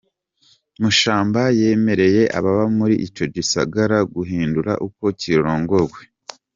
Mashamba yemereye ababa muri ico gisagara, guhindura uko kirongowe.